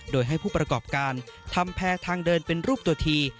โดยให้ผู้ประกอบการทำแพร่ทางเดินเป็นรูปตัวที